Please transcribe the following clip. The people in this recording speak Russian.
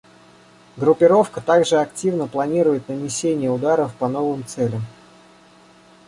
Группировка также активно планируют нанесение ударов по новым целям.